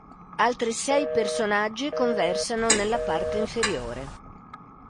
Altre sei personaggi conversano nella parte inferiore.